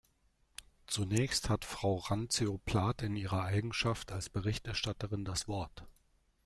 Zunächst hat Frau Randzio-Plath in ihrer Eigenschaft als Berichterstatterin das Wort.